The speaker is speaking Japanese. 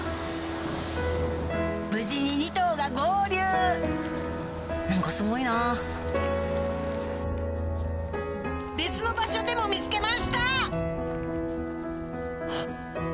無事に２頭が合流何かすごいな別の場所でも見つけましたあっ。